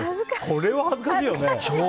これは恥ずかしいよね。